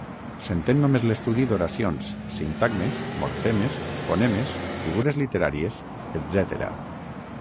S’entén només l’estudi d’oracions, sintagmes, morfemes, fonemes, figures literàries, etcètera.